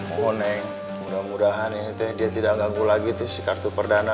oh neng mudah mudahan ini teh dia tidak ganggu lagi tuh si kartu perdagangan